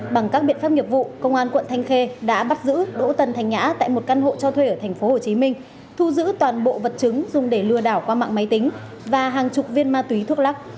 bằng các biện pháp nghiệp vụ công an quận thanh khê đã bắt giữ đỗ tân thành nhã tại một căn hộ cho thuê ở tp hcm thu giữ toàn bộ vật chứng dùng để lừa đảo qua mạng máy tính và hàng chục viên ma túy thuốc lắc